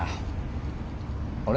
あれ？